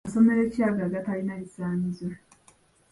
Masomero ki ago agatalina bisaanyizo?